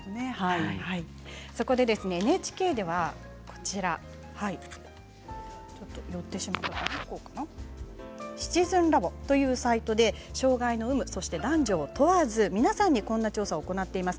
そこでＮＨＫでは「シチズンラボ」というサイトで障害の有無、男女問わず皆さんにこんな調査を行っています。